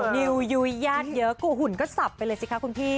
นิวยุ้ยย่านเยอะกว่าหุ่นก็สับไปเลยสิคะคุณพี่